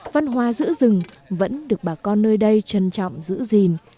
con hoa giữ rừng vẫn được bà con nơi đây trân trọng giữ gìn